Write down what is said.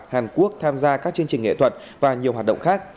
hàn quốc tham gia các chương trình nghệ thuật và nhiều hoạt động khác